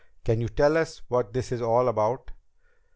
"Can you tell us what this is all about?"